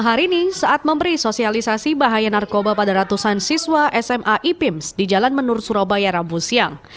kalau saya berhasil kalau anak saya berhasil suatu saat bisa mengangkat derajat saya